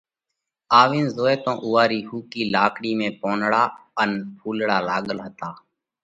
آوينَ زوئه تو اُوئا رِي ۿُوڪِي لاڪڙِي ۾ پونَڙا ان ڦُولڙا لاڳل هتا.